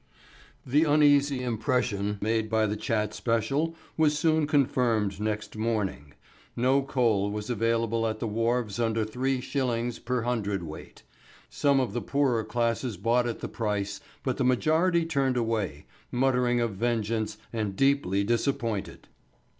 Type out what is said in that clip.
The uneasy impression made by the Chat special was soon confirmed next morning. No coal was available at the wharves under three shillings per hundredweight. Some of the poorer classes bought at the price, but the majority turned away, muttering of vengeance, and deeply disappointed.